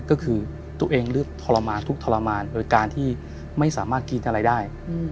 ก็คือตัวเองเลือกทรมานทุกข์ทรมานโดยการที่ไม่สามารถกินอะไรได้